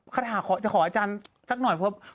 คาถาจะขออาจารย์สักหน่อยเพราะ